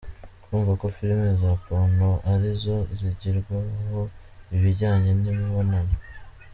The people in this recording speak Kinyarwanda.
Kumva ko film za porno ari zo zigirwaho ibijyanye n’imibonano.